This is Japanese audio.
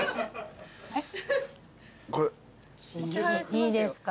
いいですか？